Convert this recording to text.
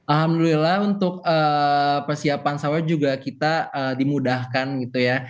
alhamdulillah untuk persiapan sahur juga kita dimudahkan gitu ya